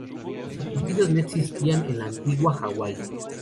Los apellidos no existían en la antigua Hawái.